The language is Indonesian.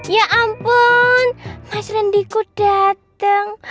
ya ampun mas rendiko dateng